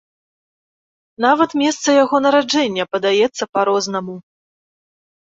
Нават месца яго нараджэння падаецца па-рознаму.